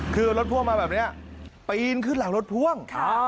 คือรถพ่วงมาแบบนี้ปีนขึ้นหลังรถพ่วง